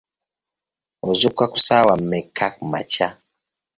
Ozuukuka ku ssaawa mmeka kumakya?